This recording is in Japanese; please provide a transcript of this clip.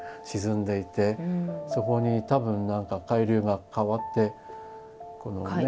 そこにたぶん何か海流が変わってこのね